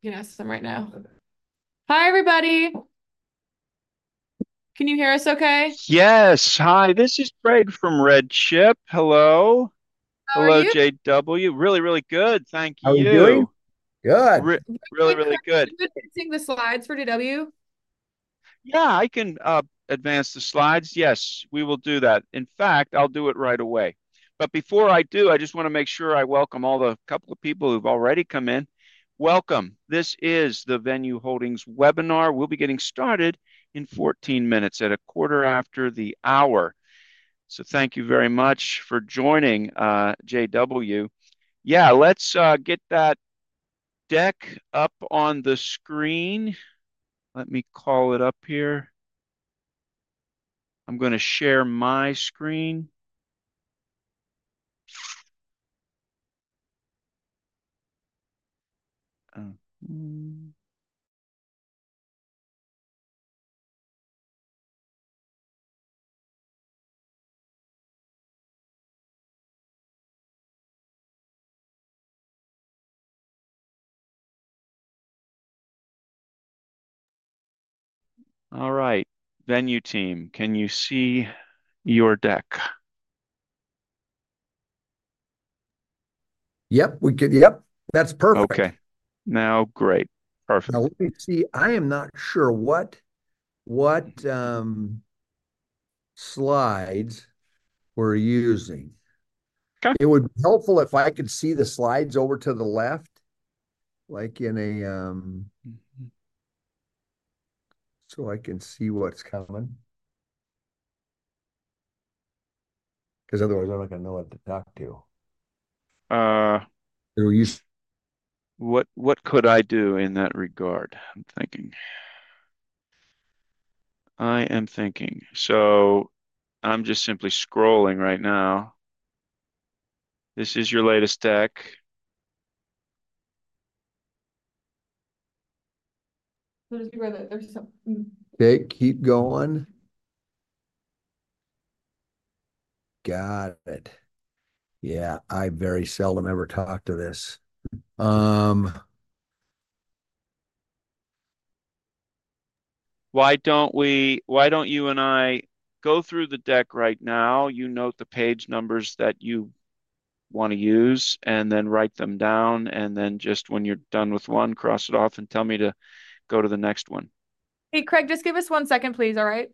You can ask them right now. Hi, everybody. Can you hear us okay? Yes. Hi, this is Craig from RedChip. Hello. Hello, J.W. Really, really good. Thank you. How are you doing? Good. Really, really good. Can you see the slides for J.W.? Yeah, I can advance the slides. Yes, we will do that. In fact, I'll do it right away. Before I do, I just want to make sure I welcome all the couple of people who've already come in. Welcome. This is the Venu Holdings webinar. We'll be getting started in 14 minutes at a quarter after the hour. Thank you very much for joining, J.W. Yeah, let's get that deck up on the screen. Let me call it up here. I'm going to share my screen. All right. VENU team, can you see your deck? Yep. We can. Yep. That's perfect. Okay. Now, great. Perfect. Now, let me see. I am not sure what slides we're using. Okay. It would be helpful if I could see the slides over to the left, like in a so I can see what's coming. Because otherwise, I'm not going to know what to talk to. What could I do in that regard? I'm thinking. I am thinking. I'm just simply scrolling right now. This is your latest deck. Does he wear the— Okay. Keep going. Got it. Yeah. I very seldom ever talk to this. Why don't you and I go through the deck right now? You note the page numbers that you want to use, and then write them down. When you're done with one, cross it off and tell me to go to the next one. Hey, Craig, just give us one second, please. All right?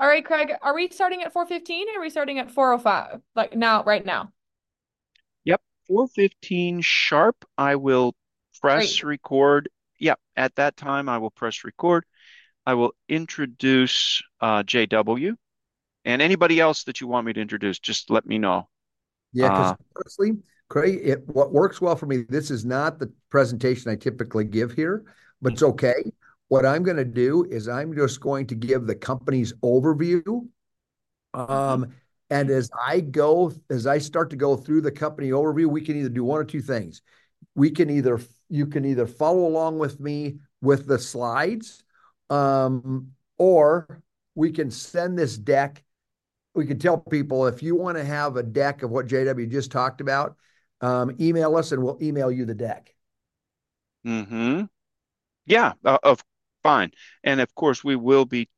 All right, Craig. Are we starting at 4:15, or are we starting at 4:05? Now, right now. Yep. 4:15 sharp. I will press record. Great. Yeah. At that time, I will press record. I will introduce J.W. and anybody else that you want me to introduce, just let me know. Yeah. Because honestly, Craig, what works well for me, this is not the presentation I typically give here, but it's okay. What I'm going to do is I'm just going to give the company's overview. As I start to go through the company overview, we can either do one or two things. You can either follow along with me with the slides, or we can send this deck. We can tell people, "If you want to have a deck of what J.W. just talked about, email us, and we'll email you the deck. Yeah. Fine. Of course, we will be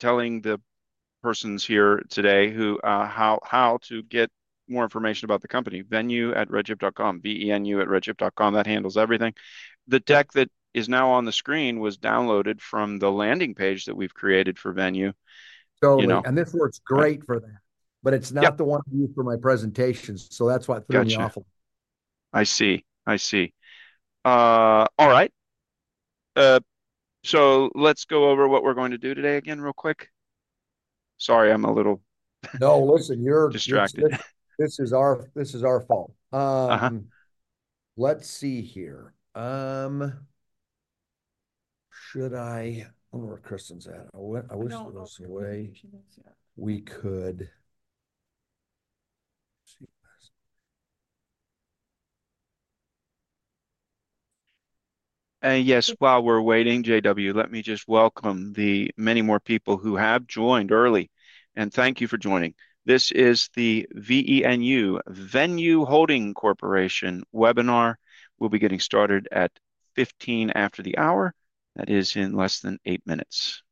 telling the persons here today how to get more information about the company: VENU@redchip.com. That handles everything. The deck that is now on the screen was downloaded from the landing page that we've created for VENU. Totally. This works great for that. It's not the one I use for my presentations, so that's why it's really awful. I see. I see. All right. Let's go over what we're going to do today again real quick. Sorry, I'm a little distracted. No, listen, you're distracted. This is our fault. Let's see here. Should I—where are Kristen's at? I wish there was a way we could—. Yes, while we're waiting, J.W., let me just welcome the many more people who have joined early. Thank you for joining. This is the VENU, Venu Holding Corporation webinar. We'll be getting started at 15 after the hour. That is in less than eight minutes.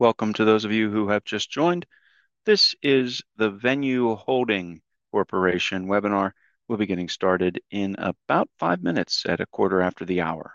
Welcome to those of you who have just joined. This is the Venu Holding Corporation webinar. We'll be getting started in about five minutes at a quarter after the hour.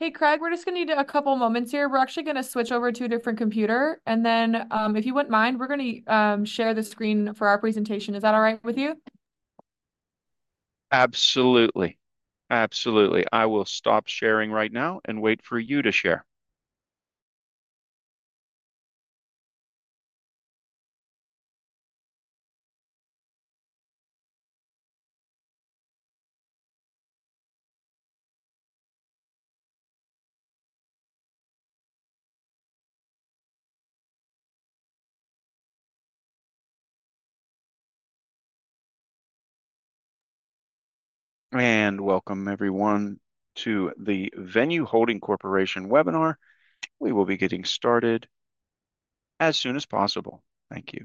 Hey, Craig, we're just going to need a couple of moments here. We're actually going to switch over to a different computer. If you wouldn't mind, we're going to share the screen for our presentation. Is that all right with you? Absolutely. Absolutely. I will stop sharing right now and wait for you to share. Welcome, everyone, to the Venu Holding Corporation webinar. We will be getting started as soon as possible. Thank you.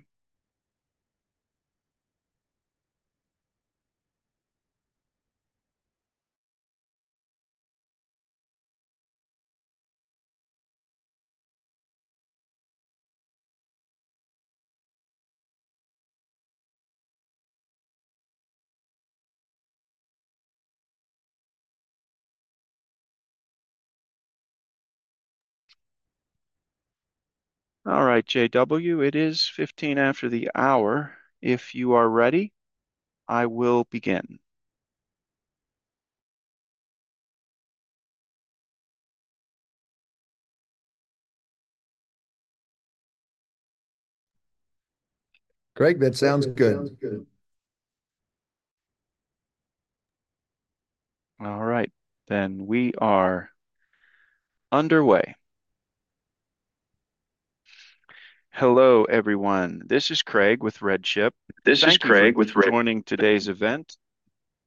All right, J.W. It is 15 after the hour. If you are ready, I will begin. Craig, that sounds good. All right. We are underway. Hello, everyone. This is Craig with RedChip. This is Craig joining today's event,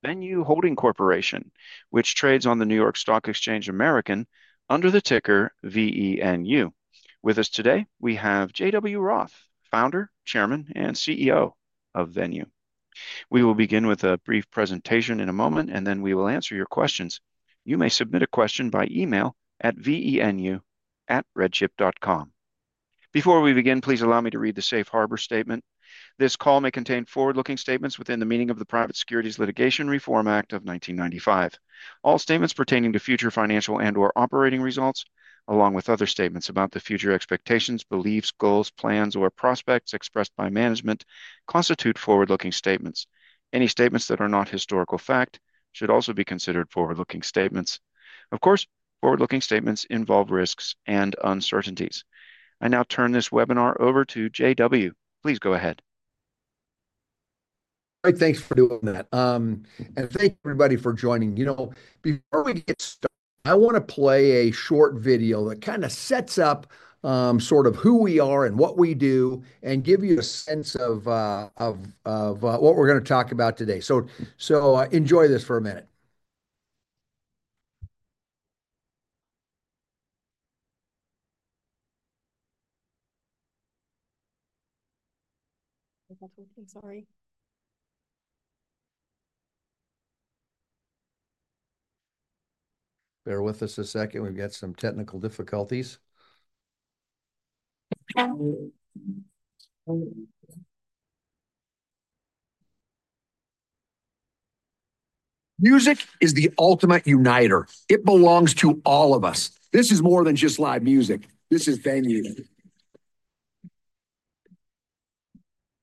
Venu Holding Corporation, which trades on the New York Stock Exchange American under the ticker VENU. With us today, we have J.W. Roth, founder, chairman, and CEO of VENU. We will begin with a brief presentation in a moment, and then we will answer your questions. You may submit a question by email at VENU@redchip.com. Before we begin, please allow me to read the safe harbor statement. This call may contain forward-looking statements within the meaning of the Private Securities Litigation Reform Act of 1995. All statements pertaining to future financial and/or operating results, along with other statements about the future expectations, beliefs, goals, plans, or prospects expressed by management, constitute forward-looking statements. Any statements that are not historical fact should also be considered forward-looking statements. Of course, forward-looking statements involve risks and uncertainties. I now turn this webinar over to J.W. Please go ahead. Great. Thanks for doing that. Thank you, everybody, for joining. Before we get started, I want to play a short video that kind of sets up sort of who we are and what we do and give you a sense of what we're going to talk about today. Enjoy this for a minute. I'm sorry. Bear with us a second. We've got some technical difficulties. Music is the ultimate uniter. It belongs to all of us. This is more than just live music. This is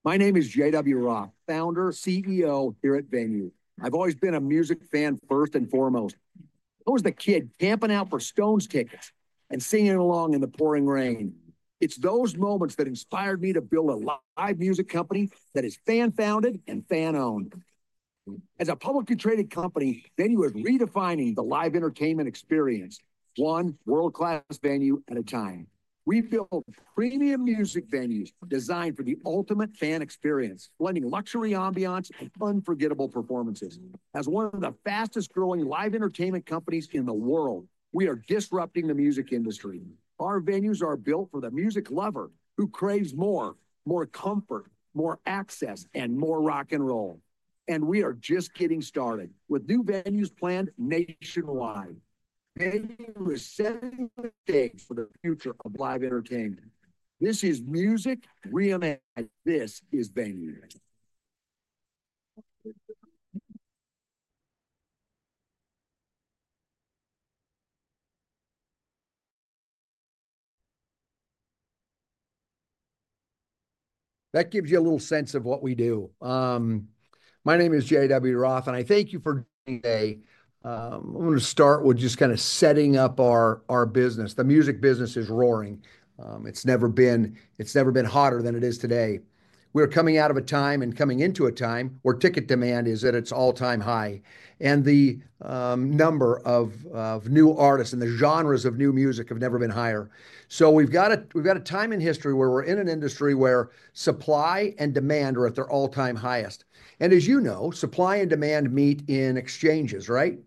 VENU. My name is J.W. Roth, founder, CEO here at VENU. I've always been a music fan first and foremost. I was the kid camping out for Stones tickets and singing along in the pouring rain. It's those moments that inspired me to build a live music company that is fan-founded and fan-owned. As a publicly traded company, VENU is redefining the live entertainment experience, one world-class venue at a time. We build premium music venues designed for the ultimate fan experience, blending luxury ambiance and unforgettable performances. As one of the fastest-growing live entertainment companies in the world, we are disrupting the music industry. Our venues are built for the music lover who craves more, more comfort, more access, and more rock and roll. We are just getting started with new venues planned nationwide. VENU is setting the stage for the future of live entertainment. This is music reimagined. This is VENU. That gives you a little sense of what we do. My name is J.W. Roth, and I thank you for joining today. I want to start with just kind of setting up our business. The music business is roaring. It's never been hotter than it is today. We are coming out of a time and coming into a time where ticket demand is at its all-time high. The number of new artists and the genres of new music have never been higher. We've got a time in history where we're in an industry where supply and demand are at their all-time highest. As you know, supply and demand meet in exchanges, right?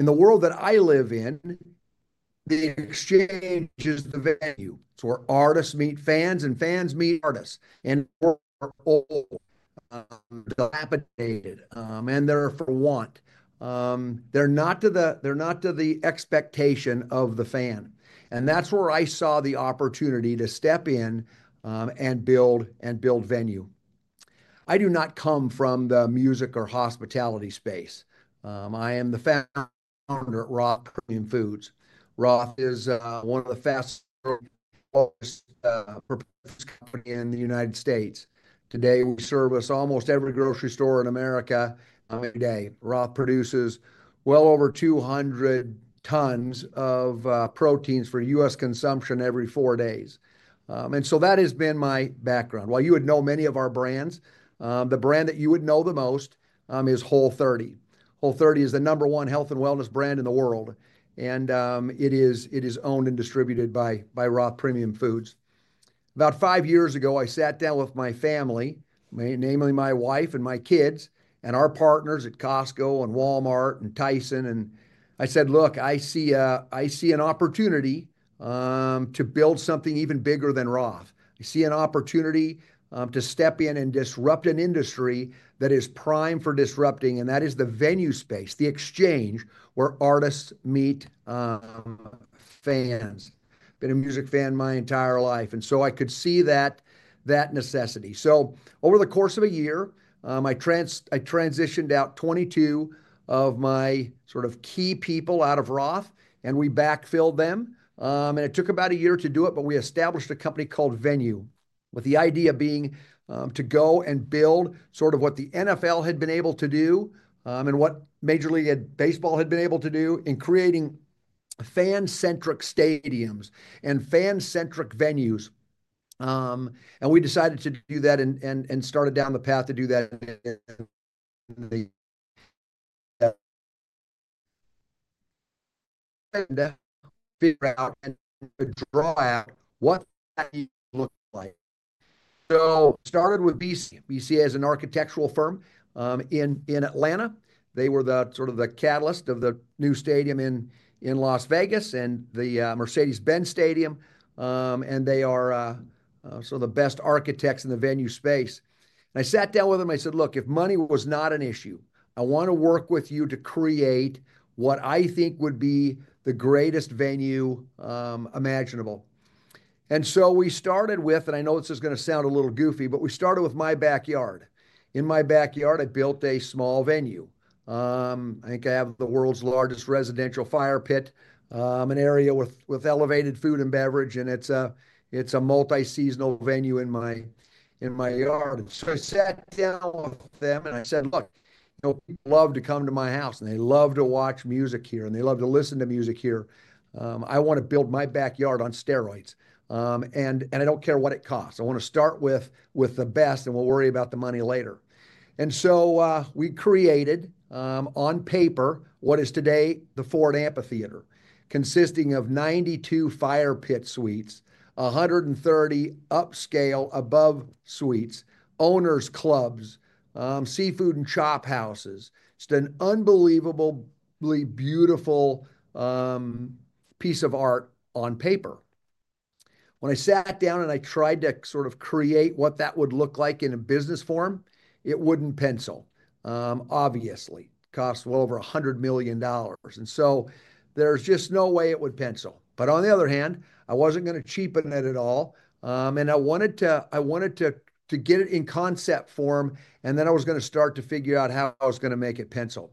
In the world that I live in, the exchange is the venue. It's where artists meet fans and fans meet artists. We're all dilapidated, and therefore want. They're not to the expectation of the fan. That's where I saw the opportunity to step in and build VENU. I do not come from the music or hospitality space. I am the founder at Roth Premium Foods. Roth is one of the fastest-growing protein companies in the United States. Today, we service almost every grocery store in America every day. Roth produces well over 200 tons of proteins for U.S. consumption every four days. That has been my background. While you would know many of our brands, the brand that you would know the most is Whole30. Whole30 is the number one health and wellness brand in the world. And it is owned and distributed by Roth Premium Foods. About five years ago, I sat down with my family, namely my wife and my kids and our partners at Costco and Walmart and Tyson. I said, "Look, I see an opportunity to build something even bigger than Roth. I see an opportunity to step in and disrupt an industry that is primed for disrupting." That is the venue space, the exchange where artists meet fans. Been a music fan my entire life. I could see that necessity. Over the course of a year, I transitioned out 22 of my sort of key people out of Roth, and we backfilled them. It took about a year to do it, but we established a company called VENU, with the idea being to go and build sort of what the NFL had been able to do and what Major League Baseball had been able to do in creating fan-centric stadiums and fan-centric venues. We decided to do that and started down the path to do that and figure out and draw out what that looks like. Started with B.C., B.C. has an architectural firm in Atlanta. They were sort of the catalyst of the new stadium in Las Vegas and the Mercedes-Benz Stadium. They are sort of the best architects in the venue space. I sat down with them. I said, "Look, if money was not an issue, I want to work with you to create what I think would be the greatest venue imaginable." We started with, and I know this is going to sound a little goofy, my backyard. In my backyard, I built a small venue. I think I have the world's largest residential fire pit, an area with elevated food and beverage. It is a multi-seasonal venue in my yard. I sat down with them and I said, "Look, people love to come to my house, and they love to watch music here, and they love to listen to music here. I want to build my backyard on steroids. I do not care what it costs. I want to start with the best and we'll worry about the money later. We created on paper what is today the Ford Amphitheater, consisting of 92 fire pit suites, 130 upscale above suites, owners' clubs, seafood, and chop houses. It's an unbelievably beautiful piece of art on paper. When I sat down and I tried to sort of create what that would look like in a business forum, it wouldn't pencil, obviously. It cost well over $100 million. There is just no way it would pencil. I wasn't going to cheapen it at all. I wanted to get it in concept form, and then I was going to start to figure out how I was going to make it pencil.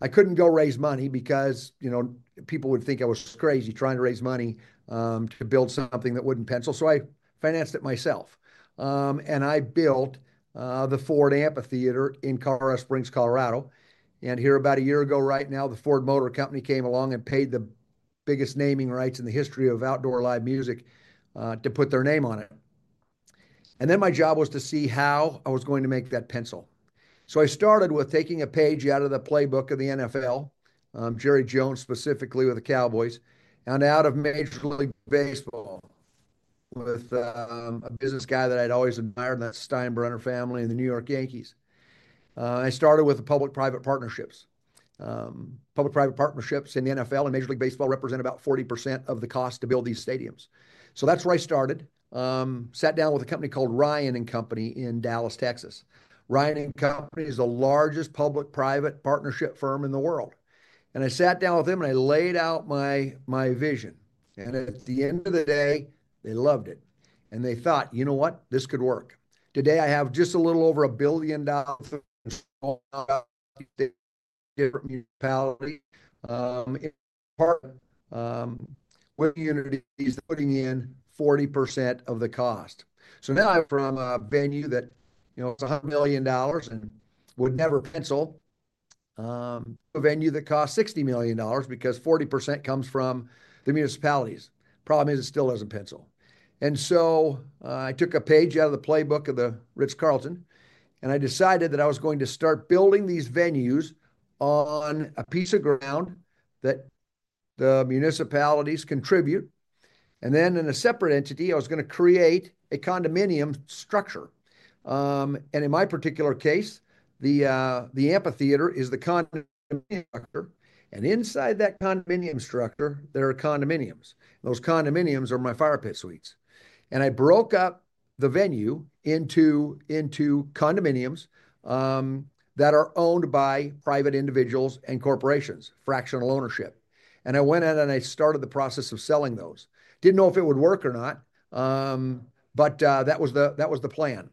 I couldn't go raise money because people would think I was crazy trying to raise money to build something that wouldn't pencil. I financed it myself. I built the Ford Amphitheater in Colorado Springs, Colorado. About a year ago right now, the Ford Motor Company came along and paid the biggest naming rights in the history of outdoor live music to put their name on it. My job was to see how I was going to make that pencil. I started with taking a page out of the playbook of the NFL, Jerry Jones specifically with the Cowboys, and out of Major League Baseball with a business guy that I'd always admired, that Steinbrenner family and the New York Yankees. I started with the public-private partnerships. Public-private partnerships in the NFL and Major League Baseball represent about 40% of the cost to build these stadiums. That's where I started. I sat down with a company called Ryan Companies in Dallas, Texas. Ryan Companies is the largest public-private partnership firm in the world. I sat down with them and I laid out my vision. At the end of the day, they loved it. They thought, "You know what? This could work." Today, I have just a little over $1 billion in small municipality partner communities putting in 40% of the cost. Now I'm from a venue that was $100 million and would never pencil to a venue that costs $60 million because 40% comes from the municipalities. The problem is, it still doesn't pencil. I took a page out of the playbook of the Ritz-Carlton, and I decided that I was going to start building these venues on a piece of ground that the municipalities contribute. In a separate entity, I was going to create a condominium structure. In my particular case, the amphitheater is the condominium structure. Inside that condominium structure, there are condominiums. Those condominiums are my fire pit suites. I broke up the venue into condominiums that are owned by private individuals and corporations, fractional ownership. I went in and I started the process of selling those. Didn't know if it would work or not, but that was the plan.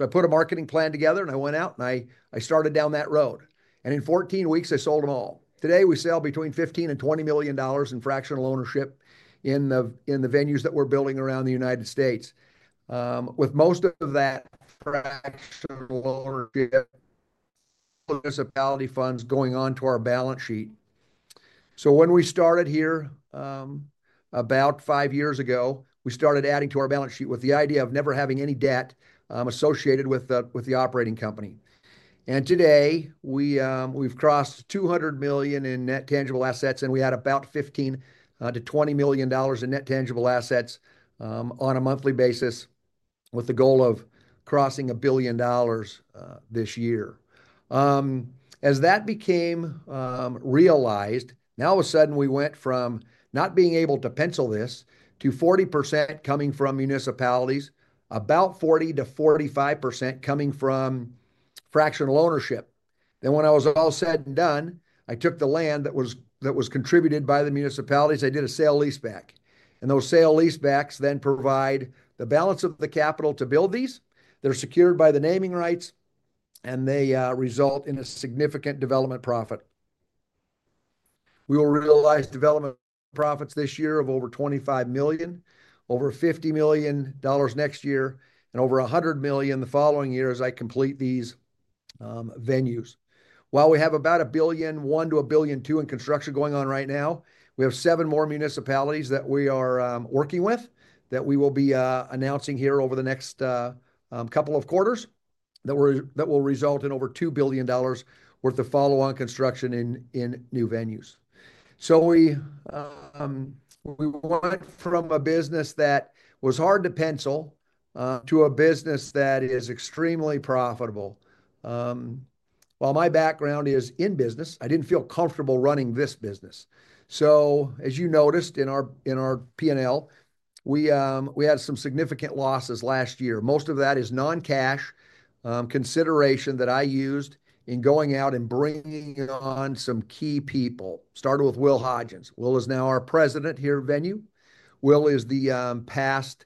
I put a marketing plan together, and I went out and I started down that road. In 14 weeks, I sold them all. Today, we sell between $15 million and $20 million in fractional ownership in the venues that we're building around the United States, with most of that fractional ownership municipality funds going on to our balance sheet. When we started here about five years ago, we started adding to our balance sheet with the idea of never having any debt associated with the operating company. Today, we've crossed $200 million in net tangible assets, and we had about $15 million-$20 million in net tangible assets on a monthly basis with the goal of crossing $1 billion this year. As that became realized, now all of a sudden, we went from not being able to pencil this to 40% coming from municipalities, about 40%-45% coming from fractional ownership. When I was all said and done, I took the land that was contributed by the municipalities. I did a sale leaseback. Those sale leasebacks then provide the balance of the capital to build these. They're secured by the naming rights, and they result in a significant development profit. We will realize development profits this year of over $25 million, over $50 million next year, and over $100 million the following year as I complete these venues. While we have about $1.1 billion-$1.2 billion in construction going on right now, we have seven more municipalities that we are working with that we will be announcing here over the next couple of quarters that will result in over $2 billion worth of follow-on construction in new venues. We went from a business that was hard to pencil to a business that is extremely profitable. While my background is in business, I didn't feel comfortable running this business. As you noticed in our P&L, we had some significant losses last year. Most of that is non-cash consideration that I used in going out and bringing on some key people. Started with Will Hodgson. Will is now our president here at VENU. Will is the past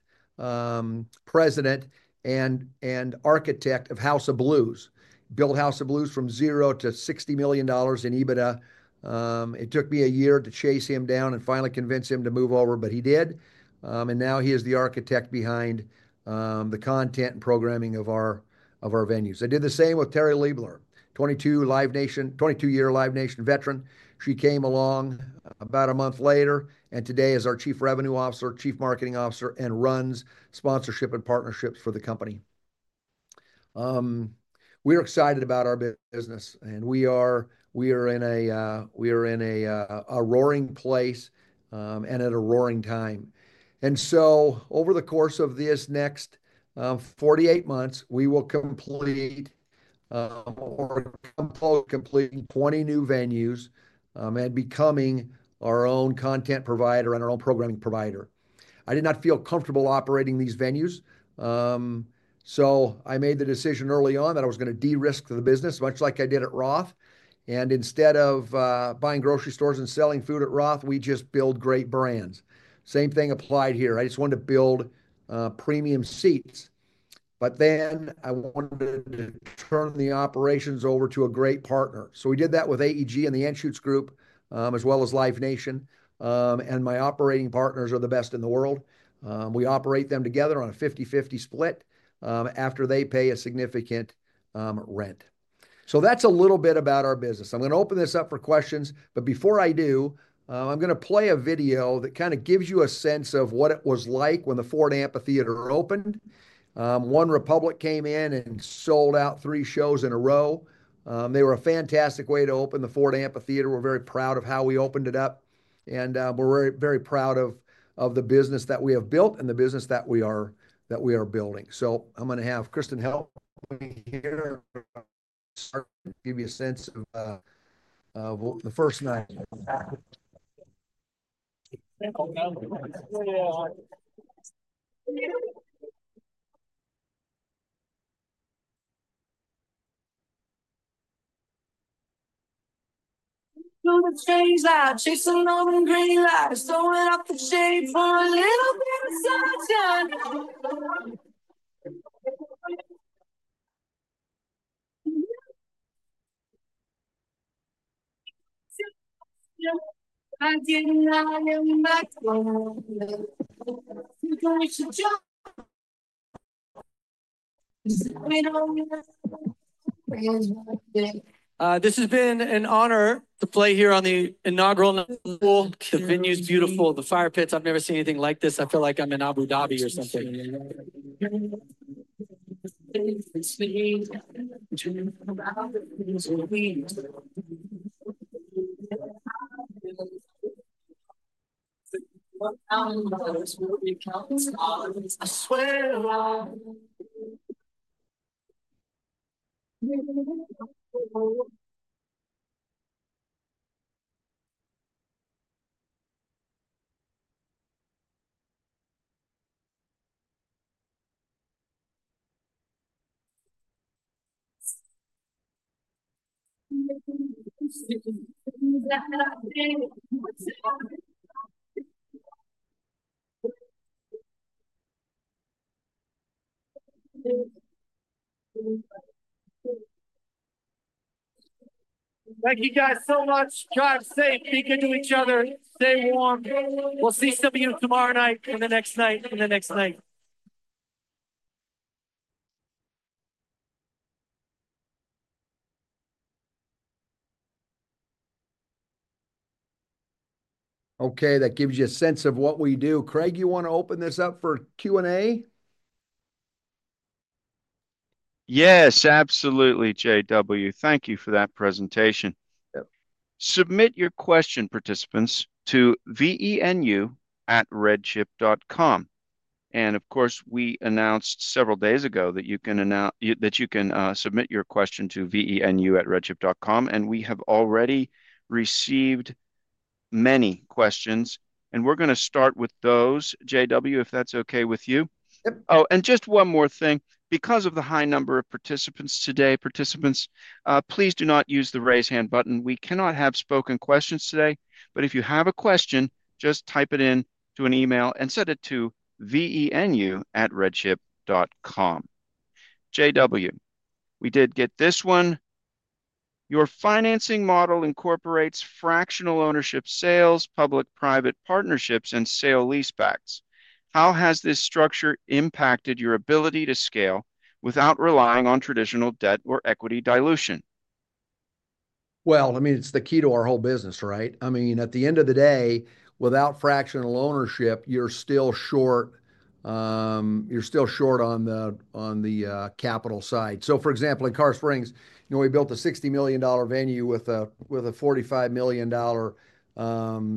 president and architect of House of Blues. Built House of Blues from zero to $60 million in EBITDA. It took me a year to chase him down and finally convince him to move over, but he did. Now he is the architect behind the content and programming of our venues. I did the same with Terri Liebler, 22-year Live Nation veteran. She came along about a month later, and today is our Chief Revenue Officer, Chief Marketing Officer, and runs sponsorship and partnerships for the company. We are excited about our business, and we are in a roaring place and at a roaring time. Over the course of these next 48 months, we will complete or complete 20 new venues and becoming our own content provider and our own programming provider. I did not feel comfortable operating these venues. I made the decision early on that I was going to de-risk the business, much like I did at Roth. Instead of buying grocery stores and selling food at Roth, we just build great brands. Same thing applied here. I just wanted to build premium seats, but then I wanted to turn the operations over to a great partner. We did that with AEG and the Anschutz Entertainment Group, as well as Live Nation. My operating partners are the best in the world. We operate them together on a 50/50 split after they pay a significant rent. That is a little bit about our business. I'm going to open this up for questions, but before I do, I'm going to play a video that kind of gives you a sense of what it was like when the Ford Amphitheater opened. OneRepublic came in and sold out three shows in a row. They were a fantastic way to open the Ford Amphitheater. We're very proud of how we opened it up. We're very proud of the business that we have built and the business that we are building. I'm going to have Kristen help me here give you a sense of the first night. This has been an honor to play here on the inaugural venue. It is beautiful. The fire pits, I've never seen anything like this. I feel like I'm in Abu Dhabi or something. Thank you guys so much. Drive safe. Speak good to each other. Stay warm. We'll see some of you tomorrow night and the next night and the next night. Okay. That gives you a sense of what we do. Craig, you want to open this up for Q&A? Yes, absolutely, J.W.. Thank you for that presentation. Submit your question, participants, to VENU@redchip.com. Of course, we announced several days ago that you can submit your question to VENU@redchip.com. We have already received many questions. We're going to start with those, J.W., if that's okay with you. Oh, just one more thing. Because of the high number of participants today, participants, please do not use the raise hand button. We cannot have spoken questions today. If you have a question, just type it into an email and send it to VENU@redchip.com. J.W., we did get this one. Your financing model incorporates fractional ownership sales, public-private partnerships, and sale-leasebacks. How has this structure impacted your ability to scale without relying on traditional debt or equity dilution? I mean, it's the key to our whole business, right? I mean, at the end of the day, without fractional ownership, you're still short on the capital side. For example, in Colorado Springs, we built a $60 million venue with a $45 million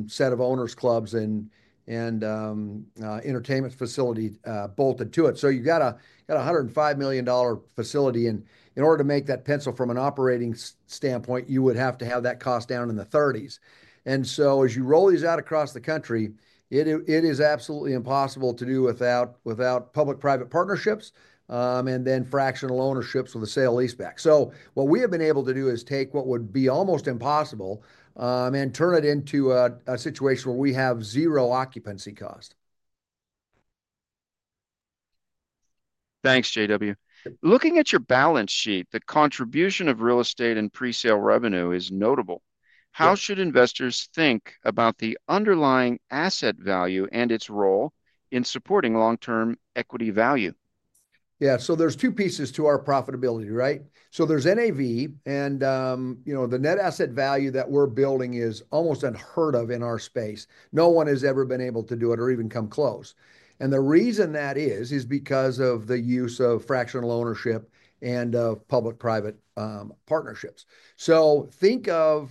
set of owners' clubs and entertainment facility bolted to it. You've got a $105 million facility. In order to make that pencil from an operating standpoint, you would have to have that cost down in the 30s. As you roll these out across the country, it is absolutely impossible to do without public-private partnerships and then fractional ownerships with a sale-leaseback. What we have been able to do is take what would be almost impossible and turn it into a situation where we have zero occupancy cost. Thanks, J.W. Looking at your balance sheet, the contribution of real estate and pre-sale revenue is notable. How should investors think about the underlying asset value and its role in supporting long-term equity value? Yeah. There are two pieces to our profitability, right? There is NAV, and the net asset value that we are building is almost unheard of in our space. No one has ever been able to do it or even come close. The reason that is, is because of the use of fractional ownership and of public-private partnerships. Think of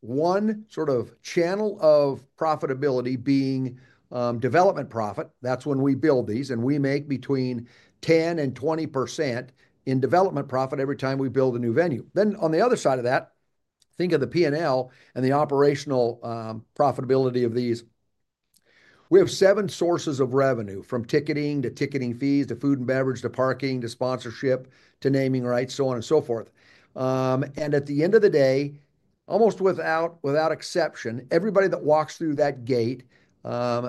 one sort of channel of profitability being development profit. That's when we build these, and we make between 10%-20% in development profit every time we build a new venue. On the other side of that, think of the P&L and the operational profitability of these. We have seven sources of revenue from ticketing to ticketing fees to food and beverage to parking to sponsorship to naming rights, so on and so forth. At the end of the day, almost without exception, everybody that walks through that gate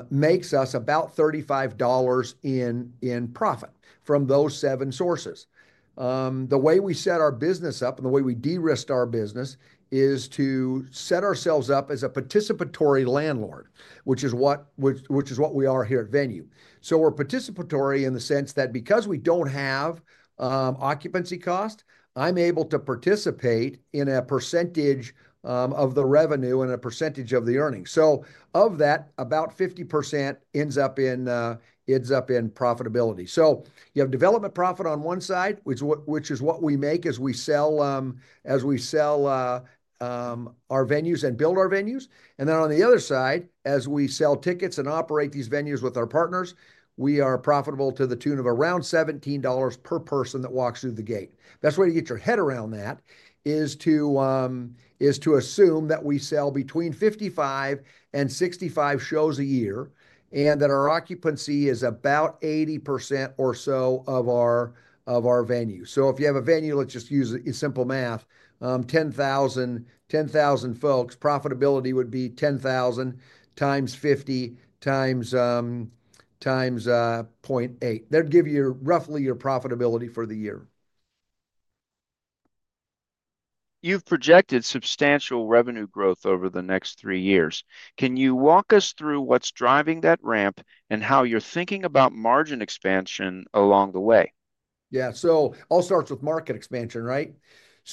makes us about $35 in profit from those seven sources. The way we set our business up and the way we de-risk our business is to set ourselves up as a participatory landlord, which is what we are here at VENU. We're participatory in the sense that because we don't have occupancy cost, I'm able to participate in a percentage of the revenue and a percentage of the earnings. Of that, about 50% ends up in profitability. You have development profit on one side, which is what we make as we sell our venues and build our venues. On the other side, as we sell tickets and operate these venues with our partners, we are profitable to the tune of around $17 per person that walks through the gate. Best way to get your head around that is to assume that we sell between 55 and 65 shows a year and that our occupancy is about 80% or so of our venue. If you have a venue, let's just use simple math, 10,000 folks, profitability would be 10,000 × 50 × 0.8. That'd give you roughly your profitability for the year. You've projected substantial revenue growth over the next three years. Can you walk us through what's driving that ramp and how you're thinking about margin expansion along the way? Yeah. It all starts with market expansion, right?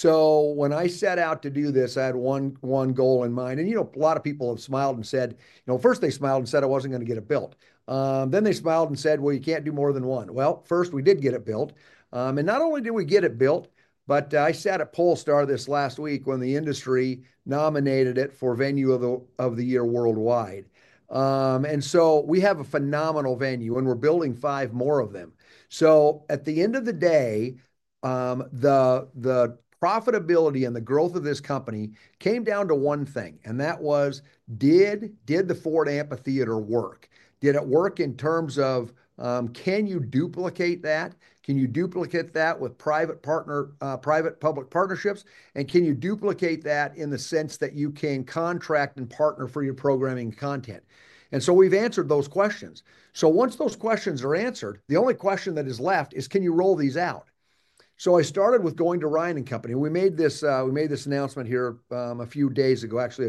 When I set out to do this, I had one goal in mind. A lot of people have smiled and said, first they smiled and said I wasn't going to get it built. They smiled and said, you can't do more than one. First, we did get it built. Not only did we get it built, but I sat at Pollstar this last week when the industry nominated it for Venue of the Year worldwide. We have a phenomenal venue, and we're building five more of them. At the end of the day, the profitability and the growth of this company came down to one thing. That was, did the Ford Amphitheater work? Did it work in terms of, can you duplicate that? Can you duplicate that with private-public partnerships? Can you duplicate that in the sense that you can contract and partner for your programming content? We have answered those questions. Once those questions are answered, the only question that is left is, can you roll these out? I started with going to Ryan Companies. We made this announcement here a few days ago, actually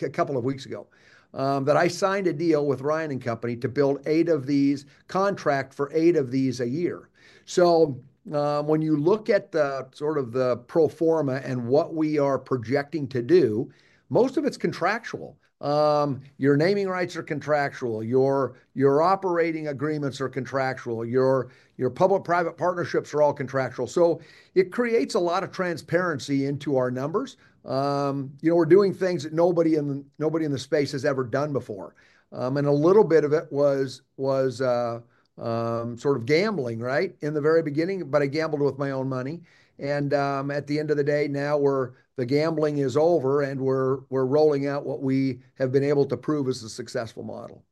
a couple of weeks ago, that I signed a deal with Ryan Companies to build eight of these, contract for eight of these a year. When you look at sort of the pro forma and what we are projecting to do, most of it's contractual. Your naming rights are contractual. Your operating agreements are contractual. Your public-private partnerships are all contractual. It creates a lot of transparency into our numbers. We're doing things that nobody in the space has ever done before. A little bit of it was sort of gambling, right, in the very beginning, but I gambled with my own money. At the end of the day, now the gambling is over, and we're rolling out what we have been able to prove as a successful model.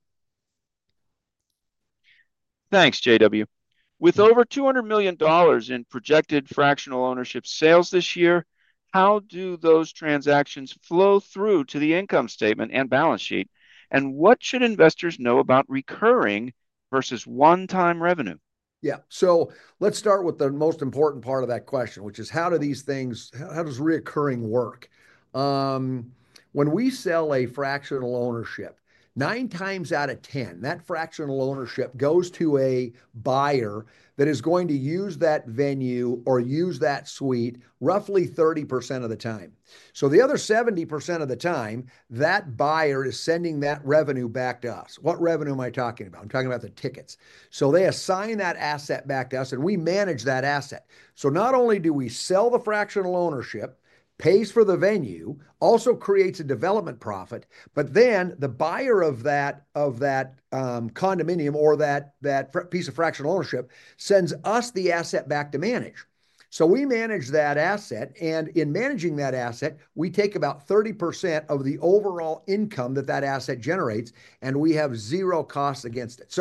Thanks, J.W. With over $200 million in projected fractional ownership sales this year, how do those transactions flow through to the income statement and balance sheet? What should investors know about recurring versus one-time revenue? Yeah. Let's start with the most important part of that question, which is how do these things, how does recurring work? When we sell a fractional ownership, nine times out of ten, that fractional ownership goes to a buyer that is going to use that venue or use that suite roughly 30% of the time. The other 70% of the time, that buyer is sending that revenue back to us. What revenue am I talking about? I'm talking about the tickets. They assign that asset back to us, and we manage that asset. Not only do we sell the fractional ownership, pays for the venue, also creates a development profit, but then the buyer of that condominium or that piece of fractional ownership sends us the asset back to manage. We manage that asset. In managing that asset, we take about 30% of the overall income that that asset generates, and we have zero costs against it.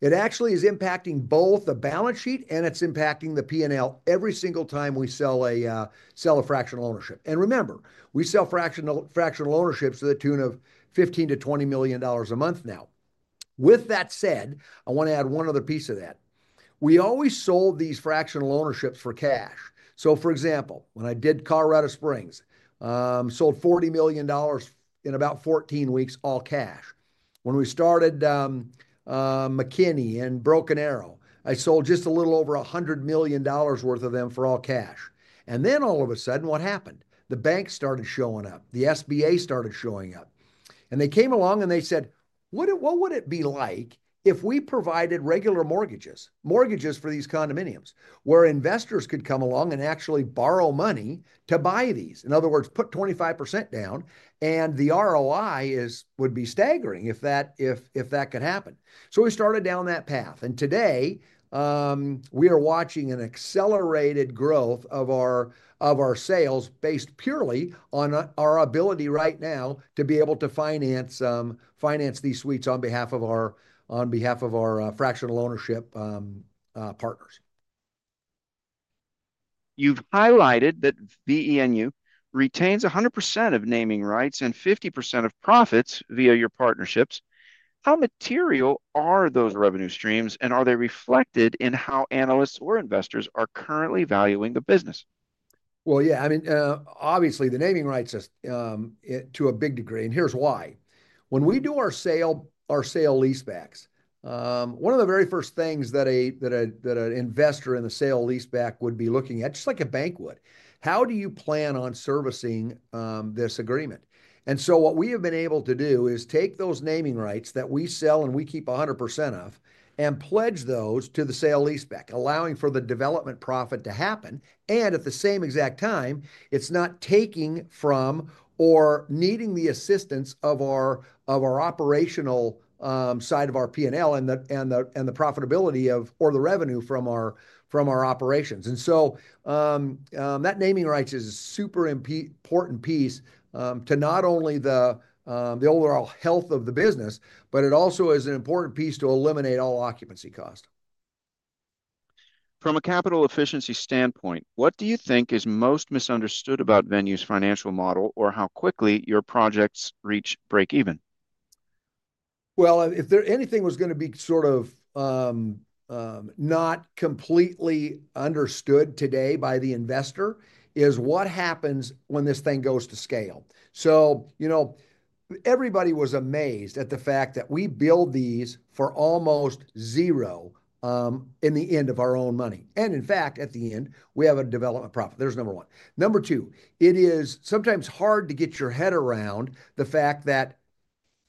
It actually is impacting both the balance sheet, and it's impacting the P&L every single time we sell a fractional ownership. Remember, we sell fractional ownerships to the tune of $15 million-$20 million a month now. With that said, I want to add one other piece of that. We always sold these fractional ownerships for cash. For example, when I did Colorado Springs, sold $40 million in about 14 weeks all cash. When we started McKinney and Broken Arrow, I sold just a little over $100 million worth of them for all cash. All of a sudden, what happened? The bank started showing up. The SBA started showing up. They came along and they said, "What would it be like if we provided regular mortgages for these condominiums where investors could come along and actually borrow money to buy these?" In other words, put 25% down, and the ROI would be staggering if that could happen. We started down that path. Today, we are watching an accelerated growth of our sales based purely on our ability right now to be able to finance these suites on behalf of our fractional ownership partners. You've highlighted that VENU retains 100% of naming rights and 50% of profits via your partnerships. How material are those revenue streams, and are they reflected in how analysts or investors are currently valuing the business? Yeah. I mean, obviously, the naming rights to a big degree. Here's why. When we do our sale-leasebacks, one of the very first things that an investor in the sale-leaseback would be looking at, just like a bank would, is how do you plan on servicing this agreement? What we have been able to do is take those naming rights that we sell and we keep 100% of and pledge those to the sale-leaseback, allowing for the development profit to happen. At the same exact time, it's not taking from or needing the assistance of our operational side of our P&L and the profitability or the revenue from our operations. That naming rights is a super important piece to not only the overall health of the business, but it also is an important piece to eliminate all occupancy cost. From a capital efficiency standpoint, what do you think is most misunderstood about Venu's financial model or how quickly your projects reach break-even? If anything was going to be sort of not completely understood today by the investor is what happens when this thing goes to scale. Everybody was amazed at the fact that we build these for almost zero in the end of our own money. In fact, at the end, we have a development profit. There's number one. Number two, it is sometimes hard to get your head around the fact that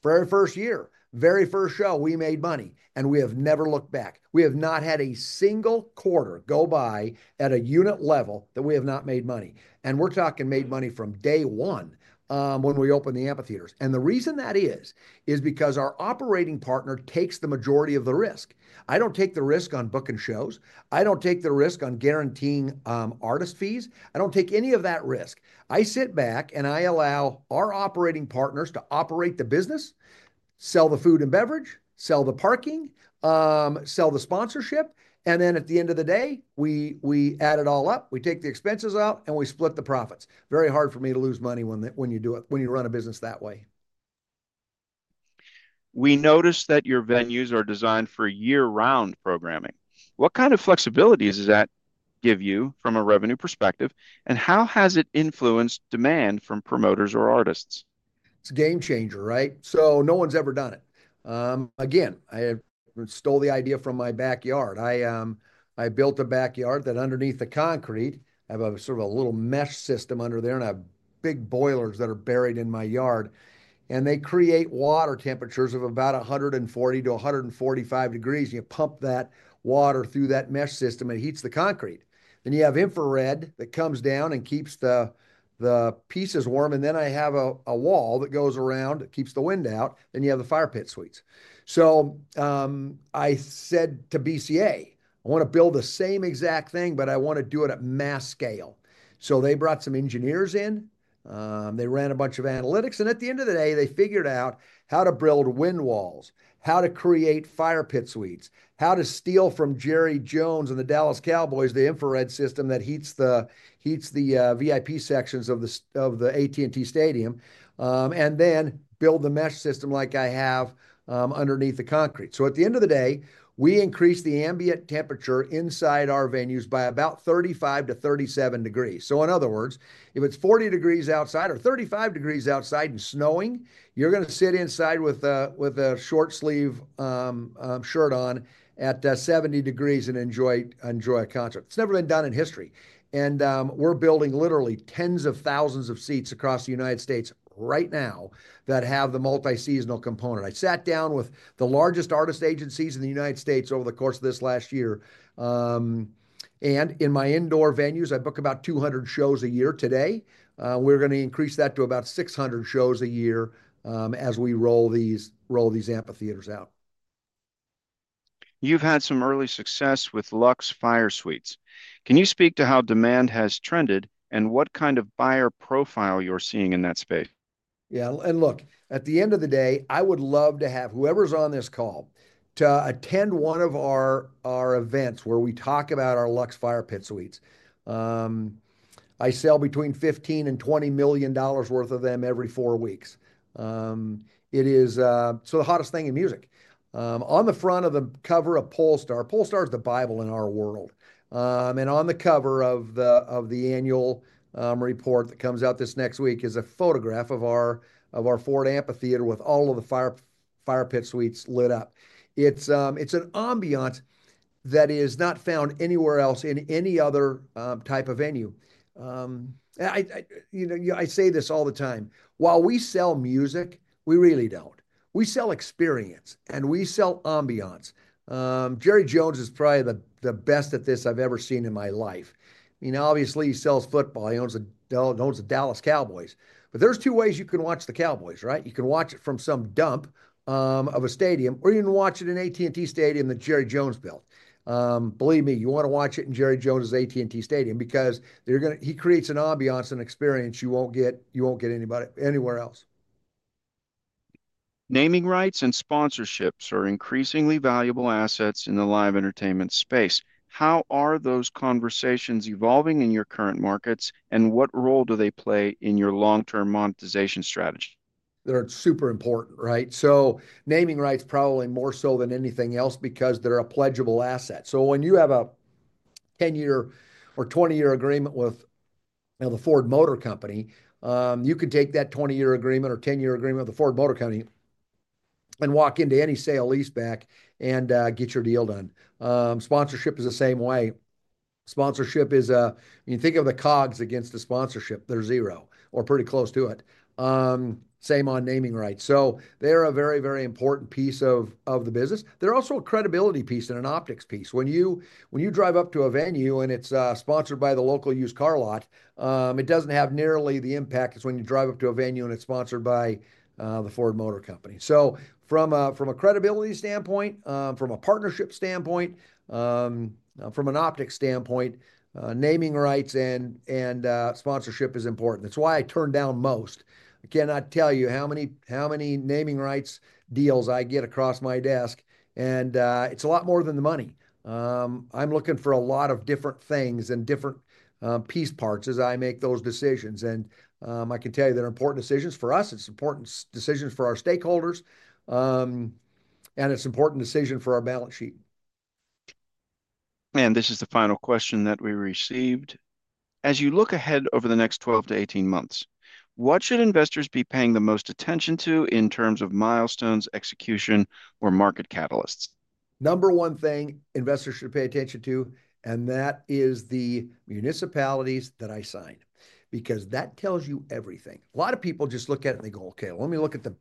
very first year, very first show, we made money, and we have never looked back. We have not had a single quarter go by at a unit level that we have not made money. We're talking made money from day one when we opened the amphitheaters. The reason that is, is because our operating partner takes the majority of the risk. I do not take the risk on booking shows. I do not take the risk on guaranteeing artist fees. I do not take any of that risk. I sit back and I allow our operating partners to operate the business, sell the food and beverage, sell the parking, sell the sponsorship. At the end of the day, we add it all up. We take the expenses out and we split the profits. Very hard for me to lose money when you run a business that way. We noticed that your venues are designed for year-round programming. What kind of flexibilities does that give you from a revenue perspective, and how has it influenced demand from promoters or artists? It is a game-changer, right? No one's ever done it. Again, I stole the idea from my backyard. I built a backyard that underneath the concrete, I have sort of a little mesh system under there and I have big boilers that are buried in my yard. They create water temperatures of about 140-145 degrees. You pump that water through that mesh system. It heats the concrete. You have infrared that comes down and keeps the pieces warm. I have a wall that goes around, keeps the wind out. You have the fire pit suites. I said to BCA, "I want to build the same exact thing, but I want to do it at mass scale." They brought some engineers in. They ran a bunch of analytics. At the end of the day, they figured out how to build wind walls, how to create fire pit suites, how to steal from Jerry Jones and the Dallas Cowboys the infrared system that heats the VIP sections of the AT&T Stadium, and then build the mesh system like I have underneath the concrete. At the end of the day, we increased the ambient temperature inside our venues by about 35-37 degrees. In other words, if it's 40 degrees outside or 35 degrees outside and snowing, you're going to sit inside with a short sleeve shirt on at 70 degrees and enjoy a concert. It's never been done in history. We are building literally tens of thousands of seats across the United States right now that have the multi-seasonal component. I sat down with the largest artist agencies in the United States over the course of this last year. In my indoor venues, I book about 200 shows a year. Today, we're going to increase that to about 600 shows a year as we roll these amphitheaters out. You've had some early success with Luxe FireSuites. Can you speak to how demand has trended and what kind of buyer profile you're seeing in that space? Yeah. Look, at the end of the day, I would love to have whoever's on this call attend one of our events where we talk about our Luxe Fire Pit Suites. I sell between $15 million and $20 million worth of them every four weeks. It is the hottest thing in music. On the front of the cover of Pollstar, Pollstar is the Bible in our world. On the cover of the annual report that comes out this next week is a photograph of our Ford Amphitheater with all of the fire pit suites lit up. It's an ambiance that is not found anywhere else in any other type of venue. I say this all the time. While we sell music, we really don't. We sell experience, and we sell ambiance. Jerry Jones is probably the best at this I've ever seen in my life. Obviously, he sells football. He owns the Dallas Cowboys. There are two ways you can watch the Cowboys, right? You can watch it from some dump of a stadium, or you can watch it in an AT&T Stadium that Jerry Jones built. Believe me, you want to watch it in Jerry Jones' AT&T Stadium because he creates an ambiance, an experience you won't get anywhere else. Naming rights and sponsorships are increasingly valuable assets in the live entertainment space. How are those conversations evolving in your current markets, and what role do they play in your long-term monetization strategy? They're super important, right? Naming rights probably more so than anything else because they're a pledgeable asset. When you have a 10-year or 20-year agreement with the Ford Motor Company, you could take that 20-year agreement or 10-year agreement with the Ford Motor Company and walk into any sale-leaseback and get your deal done. Sponsorship is the same way. Sponsorship is when you think of the COGS against the sponsorship, they're zero or pretty close to it. Same on naming rights. They're a very, very important piece of the business. They're also a credibility piece and an optics piece. When you drive up to a venue and it's sponsored by the local used car lot, it doesn't have nearly the impact as when you drive up to a venue and it's sponsored by the Ford Motor Company. From a credibility standpoint, from a partnership standpoint, from an optics standpoint, naming rights and sponsorship is important. That's why I turn down most. I cannot tell you how many naming rights deals I get across my desk, and it's a lot more than the money. I'm looking for a lot of different things and different piece parts as I make those decisions. I can tell you they're important decisions for us. It's important decisions for our stakeholders, and it's an important decision for our balance sheet. This is the final question that we received. As you look ahead over the next 12-18 months, what should investors be paying the most attention to in terms of milestones, execution, or market catalysts? Number one thing investors should pay attention to, and that is the municipalities that I sign because that tells you everything. A lot of people just look at it and they go, "Okay, let me look at the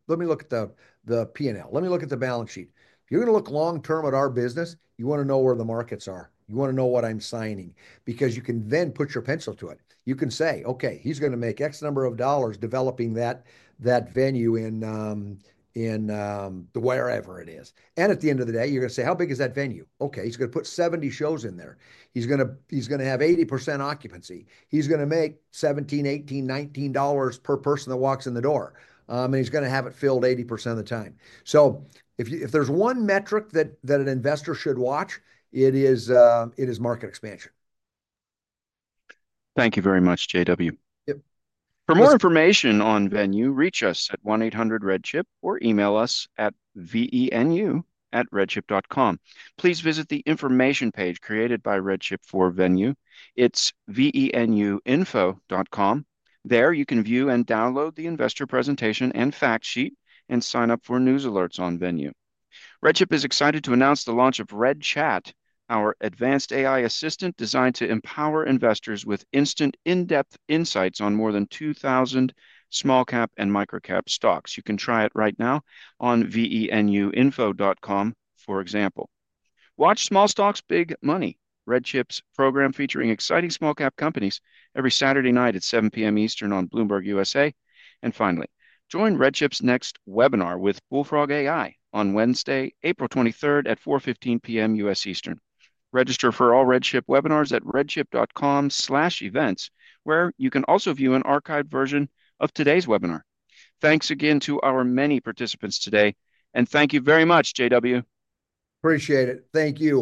P&L. Let me look at the balance sheet." If you're going to look long-term at our business, you want to know where the markets are. You want to know what I'm signing because you can then put your pencil to it. You can say, "Okay, he's going to make X number of dollars developing that venue in wherever it is." At the end of the day, you're going to say, "How big is that venue?" Okay, he's going to put 70 shows in there. He's going to have 80% occupancy. He's going to make $17, $18, $19 per person that walks in the door, and he's going to have it filled 80% of the time. If there's one metric that an investor should watch, it is market expansion. Thank you very much, J.W. For more information on VENU, reach us at 1-800-REDCHIP or email us at VENU@redchip.com. Please visit the information page created by RedChip for VENU. It's venuinfo.com. There you can view and download the investor presentation and fact sheet and sign up for news alerts on VENU. RedChip is excited to announce the launch of RedChat, our advanced AI assistant designed to empower investors with instant in-depth insights on more than 2,000 small-cap and micro-cap stocks. You can try it right now on venuinfo.com, for example. Watch Small Stocks, Big Money, RedChip's program featuring exciting small-cap companies every Saturday night at 7:00 P.M. Eastern on Bloomberg U.S.A. Finally, join RedChip's next webinar with Bullfrog AI on Wednesday, April 23rd, at 4:15 P.M. U.S. Eastern. Register for all RedChip webinars at redchip.com/events, where you can also view an archived version of today's webinar. Thanks again to our many participants today, and thank you very much, J.W. Appreciate it. Thank you.